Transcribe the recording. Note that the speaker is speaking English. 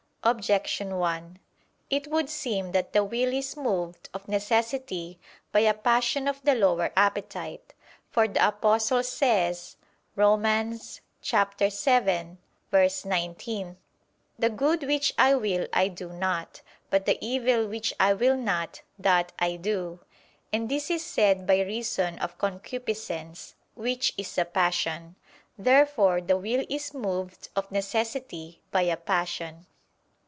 Objection 1: It would seem that the will is moved of necessity by a passion of the lower appetite. For the Apostle says (Rom. 7:19): "The good which I will I do not; but the evil which I will not, that I do": and this is said by reason of concupiscence, which is a passion. Therefore the will is moved of necessity by a passion.